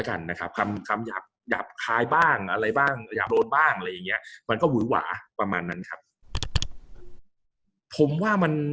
คำอยากเข้าคลายบ้างอะไรบ้างอยากโดนบ้างมันก็วื้อวาประมาณนั้น